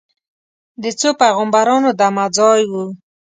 د څو پیغمبرانو دمه ځای و.